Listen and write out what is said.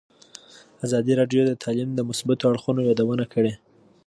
ازادي راډیو د تعلیم د مثبتو اړخونو یادونه کړې.